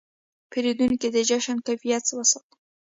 پیرودونکی د جنس کیفیت وستایه.